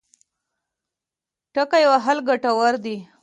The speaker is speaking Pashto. ټکی وهل ګټور دی.